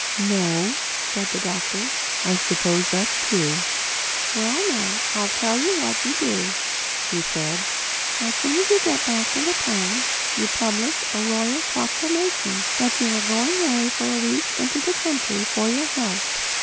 "No," said the Doctor, "I suppose that's true." "Well now I tell you what you do," said she: "as soon as you get back to the palace you publish a royal proclamation that you are going away for a week into the country for your health.